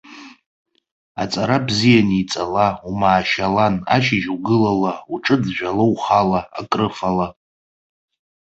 Аҵара бзианы иҵала, умаашьалан, ашьыжь угылала, уҿы ӡәӡәала ухала, акрыфала.